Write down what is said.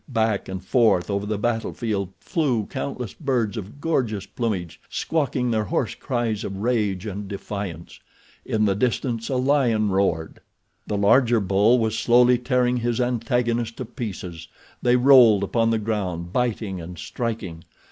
Back and forth over the battle field flew countless birds of gorgeous plumage, squawking their hoarse cries of rage and defiance. In the distance a lion roared. The larger bull was slowly tearing his antagonist to pieces. They rolled upon the ground biting and striking.